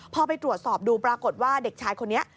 พอไปตรวจสอบดูปรากฏว่าเด็กชายคนนี้